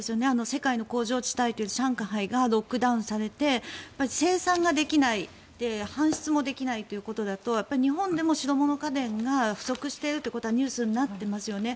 世界の工場地帯といわれる上海がロックダウンされて生産ができない搬出もできないということだと日本でも白物家電が不足していることはニュースになっていますよね。